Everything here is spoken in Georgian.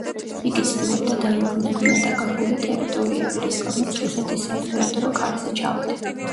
იგი ცდილობდა დაებრუნებინა დაკარგული ტერიტორიები, რის გამოც რუსეთის საიმპერატორო კარზე ჩავიდა.